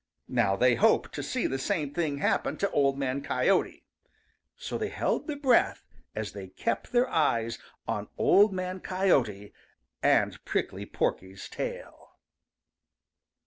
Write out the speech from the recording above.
Now they hoped to see the same thing happen to Old Man Coyote. So they held their breath as they kept their eyes on Old Man Coyote and Prickly Porky's tail.